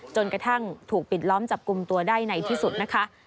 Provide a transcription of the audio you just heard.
จนกระทั่งถูกปิดล้อมจับกลุ่มตัวได้ในที่สุดนะคะ